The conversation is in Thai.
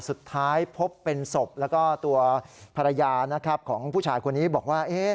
สุดท้ายพบเป็นศพแล้วก็ตัวภรรยานะครับของผู้ชายคนนี้บอกว่า